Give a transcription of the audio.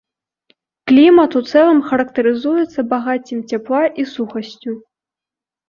Клімат у цэлым характарызуецца багаццем цяпла і сухасцю.